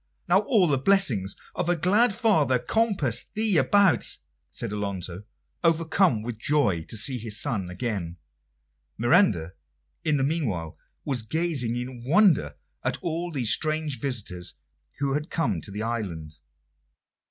"Now all the blessings of a glad father compass thee about," said Alonso, overcome with joy to see his dear son again. Miranda in the meanwhile was gazing in wonder at all these strange visitors who had come to the island.